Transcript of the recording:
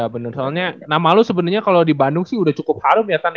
ya bener soalnya nama lu sebenernya kalo di bandung sih udah cukup harum ya tan ya